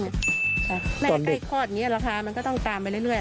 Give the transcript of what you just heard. ใกล้คลอดอย่างนี้ราคามันก็ต้องตามไปเรื่อย